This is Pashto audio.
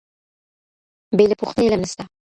بې له پوښتنې علم نسته.